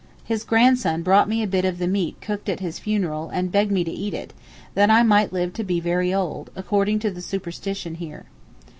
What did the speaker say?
His grandson brought me a bit of the meat cooked at his funeral, and begged me to eat it, that I might live to be very old, according to the superstition here.